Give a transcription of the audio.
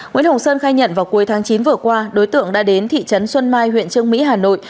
nguyễn hồng sơn khai nhận vào cuối tháng chín vừa qua đối tượng đã đến thị trấn xuân mai huyện trương mỹ hà nội